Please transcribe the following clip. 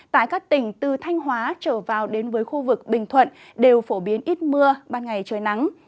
tại các tỉnh từ thanh hóa trở vào đến với khu vực bình thuận đều phổ biến ít mưa ban ngày trời nắng